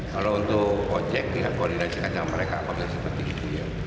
kalau untuk ojek kita koordinasikan sama mereka